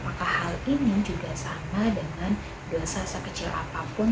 apakah hal ini sama dengan dosa sekecil apapun